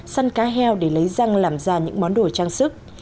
săn cá heo để lấy răng làm ra những món đồ trang sức